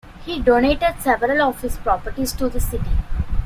He donated several of his properties to the city.